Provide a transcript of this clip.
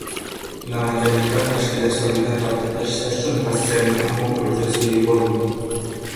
Namanganliklar tashkillashtirilgan tartibda ishlash uchun Rossiyaning Amur o‘lkasiga yuborildi